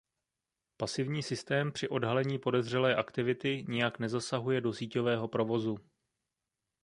Pasivní systém při odhalení podezřelé aktivity nijak nezasahuje do síťového provozu.